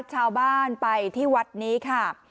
ชาวบ้านไปที่วัดนี้ค่ะ